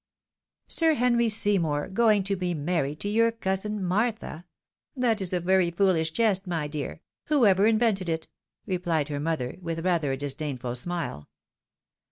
" Sir Henry Seymour going to be married to your cousin Martha? That is a very foolish jest, my dear, whoever in vented it," replied her mother, with rather a disdainful smile.